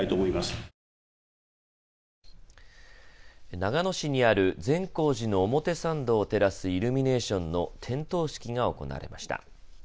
長野市にある善光寺の表参道を照らすイルミネーションの点灯式が行われました。